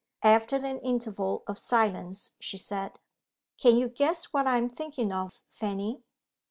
After an interval of silence, she said: "Can you guess what I am thinking of, Fanny?"